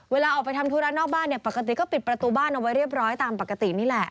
เวลาออกไปทำธุระนอกบ้านเนี่ยปกติก็ปิดประตูบ้านเอาไว้เรียบร้อยตามปกตินี่แหละ